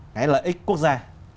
cái lợi ích quốc gia